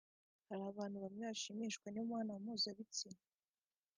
hari abantu bamwe bashimishwa n’imibonano mpuzabitsina